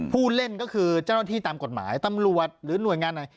ผู้เล่นก็คือเจ้าหน้าที่ตามกฎหมายตำรวจหรือหน่วยงานไหน